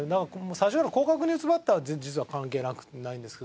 最初から広角に打つバッターは実は関係ないんですけど。